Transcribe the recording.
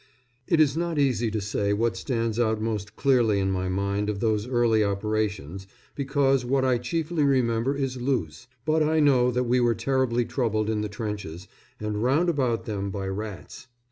] It is not easy to say what stands out most clearly in my mind of those early operations, because what I chiefly remember is Loos; but I know that we were terribly troubled in the trenches and round about them by rats.